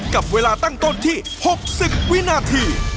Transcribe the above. กับเวลาตั้งต้นที่๖๐วินาที